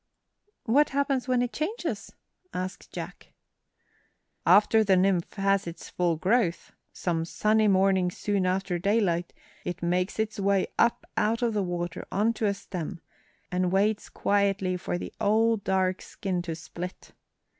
"What happens when it changes?" asked Jack. "After the nymph has its full growth, some sunny morning soon after daylight, it makes its way up out of the water on to a stem and waits quietly for the old dark skin to split.